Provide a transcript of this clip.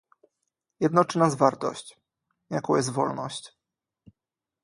Jednoczy nas wartość, jaką jest wolność